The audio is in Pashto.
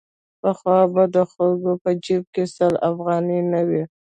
پخوا به د خلکو په جېب کې سل افغانۍ نه وې.